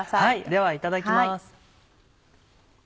ではいただきます。